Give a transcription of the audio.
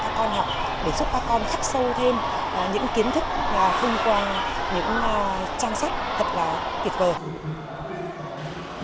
các con học để giúp các con khắc sâu thêm những kiến thức và thông qua những trang sách thật là tuyệt vời